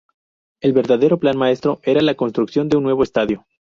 El verdadero plan maestro era la construcción de un nuevo estadio.